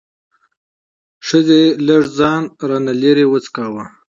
ښځې لږ ځان را نه لرې وڅښاوه.